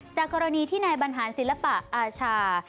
จากกรณีที่นายบรรหารศิลปะอาชา